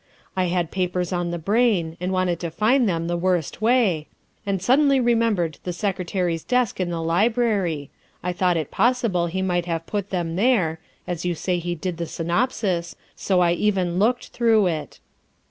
I had papers on the brain and wanted to find them the worst way, and suddenly remembered the Secretary's desk in 344 THE WIFE OF the library. I thought it possible he might have put them there (as you say he did the synopsis), so I even looked through it."